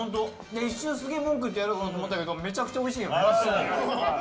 一瞬、すげえ文句言ってやろうかと思ったけどめちゃくちゃおいしいよね。